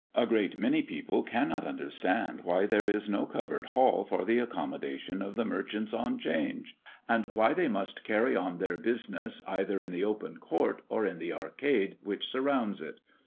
A great many people cannot understand why there is no covered hall for the accommodation of the merchants on Change, and why they must carry on their business either in the open court or in the arcade which surrounds it.